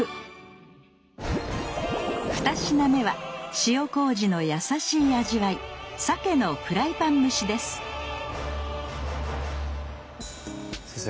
２品目は塩麹のやさしい味わい先生